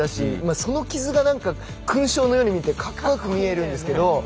その傷が勲章のようにかっこよく見えるんですけれど。